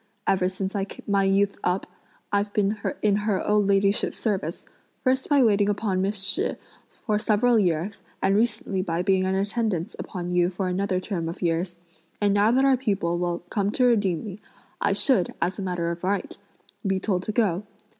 Ever since my youth up, I've been in her old ladyship's service; first by waiting upon Miss Shih for several years, and recently by being in attendance upon you for another term of years; and now that our people will come to redeem me, I should, as a matter of right, be told to go.